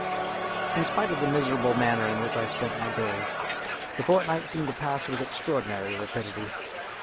In spite of the miserable manner in which I spent my days, the fortnight seemed to pass with extraordinary rapidity.